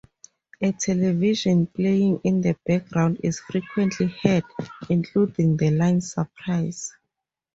A television playing in the background is frequently heard, including the line, Surprise!